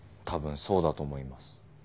たぶんそうだと思います。